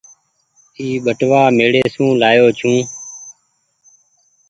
اي ٻٽوآ ميڙي سون لآيو ڇون ۔